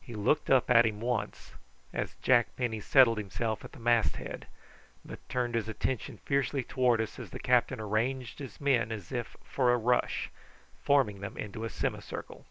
He looked up at him once, as Jack Penny settled himself at the masthead, but turned his attention fiercely towards us as the captain arranged his men as if for a rush, forming them into a semicircle.